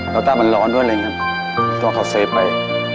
แล้วถ้ามันร้อนด้วยอะไรอย่างนี้ก็เขาเซฟไป